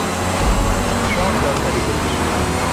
সব দরকারি জিনিস।